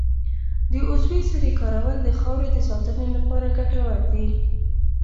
د عضوي سرې کارول د خاورې د ساتنې لپاره ګټور دي.